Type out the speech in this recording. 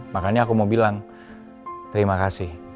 makanya aku mau bilang terima kasih